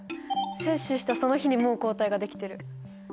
接種したその日にもう抗体ができてる。